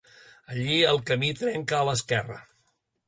Allí el camí trenca a l'esquerra.